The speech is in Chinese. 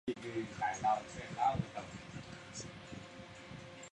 毛麻楝为楝科麻楝属下的一个变种。